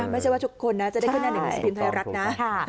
ไม่ใช่ว่าทุกคนบอกเลยนะ